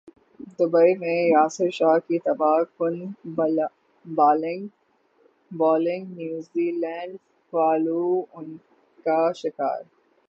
Dubai میں یاسر شاہ کی تباہ کن bowling New Zealand follow on کا شکار